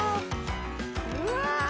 うわ！